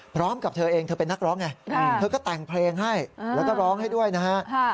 พร้อมกับเธอเองเธอเป็นนักร้องไงเธอก็แต่งเพลงให้แล้วก็ร้องให้ด้วยนะฮะ